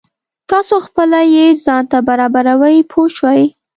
تاسو خپله یې ځان ته برابروئ پوه شوې!.